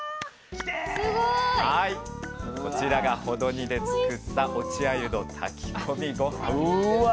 こちらがほど煮で作った落ちあゆの炊き込みごはんです。